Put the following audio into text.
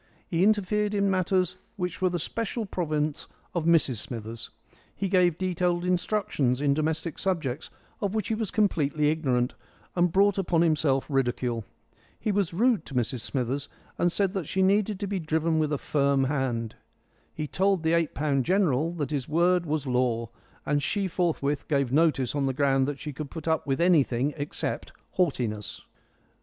He interfered in matters which were the special province of Mrs Smithers. He gave detailed instructions in domestic subjects of which he was completely ignorant, and brought upon himself ridicule. He was rude to Mrs Smithers, and said that she needed to be driven with a firm hand. He told the eight pound general that his word was law, and she forthwith gave notice on the ground that she could put up with anything except haughtiness.